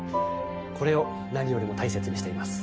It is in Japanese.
これを何よりも大切にしています。